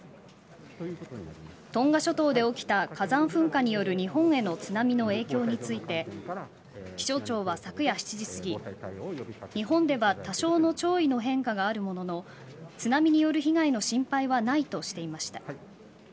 トンガ諸島で起きた火山噴火による日本への津波の影響について気象庁は昨夜７時すぎ日本では多少の潮位の変化があるものの津波による被害の心配はないとしていました。